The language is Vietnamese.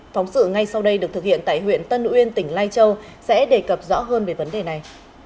phóng sự ngay sau đây được thực hiện tại huyện tân uyên tỉnh lai châu sẽ đề cập rõ hơn về vấn đề này